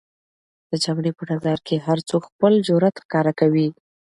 د جګړې په ډګر کې هر څوک خپل جرئت ښکاره کوي.